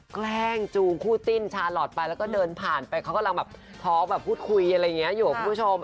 แกล้งจูงคู่จิ้นชาลอทไปแล้วก็เดินผ่านไปเขากำลังแบบท้องแบบพูดคุยอะไรอย่างนี้อยู่คุณผู้ชม